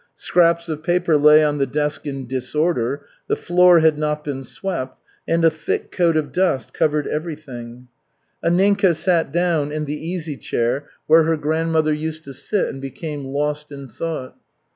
Scraps of paper lay on the desk in disorder, the floor had not been swept and a thick coat of dust covered everything. Anninka sat down in the easy chair where her grandmother used to sit, and became lost in thought.